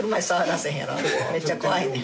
めっちゃ怖いねん。